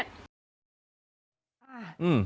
ให้แพบนอน่านมดู